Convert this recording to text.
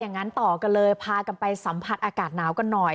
งั้นต่อกันเลยพากันไปสัมผัสอากาศหนาวกันหน่อย